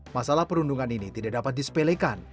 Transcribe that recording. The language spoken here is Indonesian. masalah perundungan ini tidak dapat disepelekan